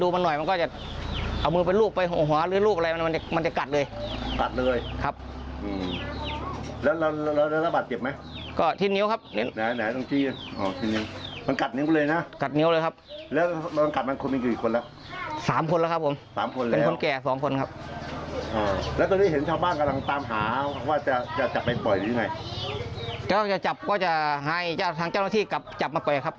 ว่าจะจะจับไปปล่อยหรือไงก็จะจับก็จะให้ทางเจ้าหน้าที่กลับจับมาปล่อยครับ